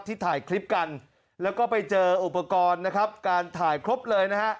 ถ่ายคลิปกันแล้วก็ไปเจออุปกรณ์นะครับการถ่ายครบเลยนะฮะ